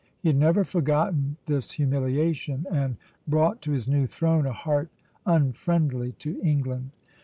He had never forgotten this humiliation, and brought to his new throne a heart unfriendly to England.